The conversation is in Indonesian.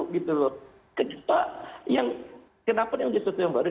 kenapa yang baru